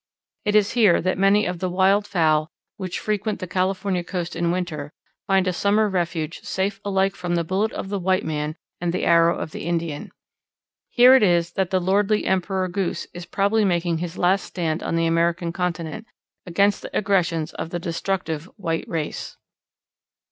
It is here that many of the wild fowl, which frequent the California coast in winter, find a summer refuge safe alike from the bullet of the white man and the arrow of the Indian. Here it is that the lordly Emperor Goose is probably making his last stand on the American continent against the aggressions of the destructive white race.